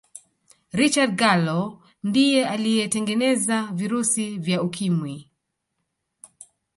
richard gallo ndiye aliyetengeneza virusi vya ukimwi